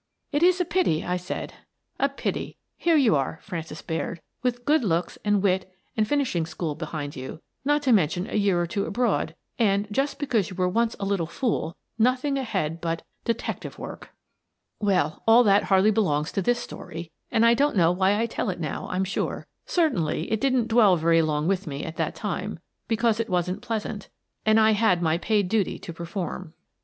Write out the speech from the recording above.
" It is a pity," I said, " a pity. Here you are, Frances Baird, with good looks and wit and a fin ishing school behind you, — not to mention a year or two abroad, — and, just because you were once a little fool, nothing ahead but — detective work !" Well, all that hardly belongs to this story, and I don't know why I tell it now, Fm sure. Cer tainly, it didn't dwell very long with me at that 28 Miss Frances Baird, Detective time, because it wasn't pleasant, and I had my paid duty to perform.